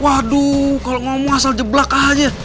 waduh kalau ngomong asal jeblak aja